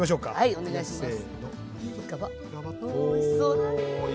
お願いします。